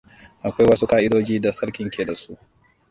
Akwai wasu ƙa'idoji da sarkin ke da su.